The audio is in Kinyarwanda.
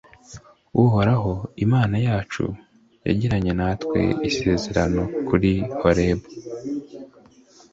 uhoraho imana yacu yagiranye natwe isezerano kuri horebu.